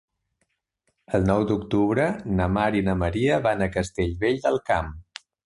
El nou d'octubre na Mar i na Maria van a Castellvell del Camp.